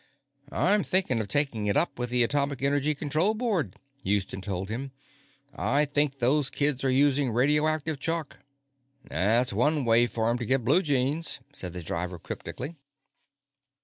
"I'm thinking of taking it up with the Atomic Energy Control Board," Houston told him. "I think those kids are using radioactive chalk." "That's one way for 'em to get blue jeans," said the driver cryptically.